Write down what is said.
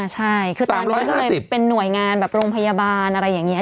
ใช่คือตอนนี้ก็เลยเป็นหน่วยงานแบบโรงพยาบาลอะไรอย่างนี้